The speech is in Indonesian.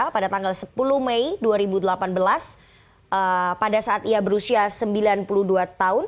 pada tanggal sepuluh mei dua ribu delapan belas pada saat ia berusia sembilan puluh dua tahun